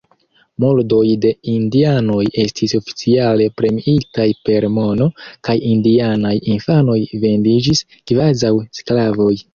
Murdoj de indianoj estis oficiale premiitaj per mono, kaj indianaj infanoj vendiĝis kvazaŭ sklavoj.